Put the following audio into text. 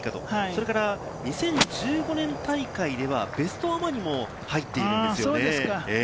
それから、２０１５年大会ではベストアマにも入っているんですよね。